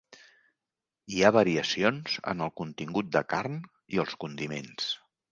Hi ha variacions en el contingut de carn i els condiments.